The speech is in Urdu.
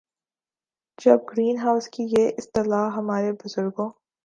جب گرین ہاؤس کی یہ اصطلاح ہمارے بزرگوں